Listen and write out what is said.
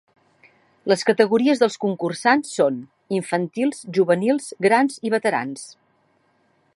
Les categories dels concursants són infantils, juvenils, grans i veterans.